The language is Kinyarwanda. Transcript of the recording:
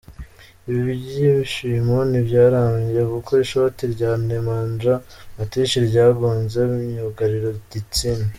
Ibi byishimo ntibyarambye kuko ishoti rya Nemandja Matic ryagonze myugariro Distin.